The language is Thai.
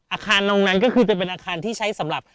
อาคารตรงนั้นก็คือจะเป็นอาคารที่ใช้สำหรับ